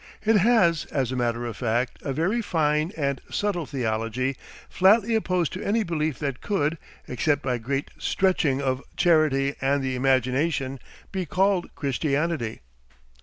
It has, as a matter of fact, a very fine and subtle theology, flatly opposed to any belief that could, except by great stretching of charity and the imagination, be called Christianity.